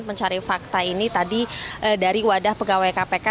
mencari fakta ini tadi dari wadah pegawai kpk